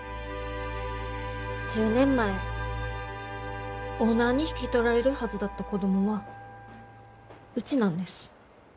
１０年前オーナーに引き取られるはずだった子供はうちなんです。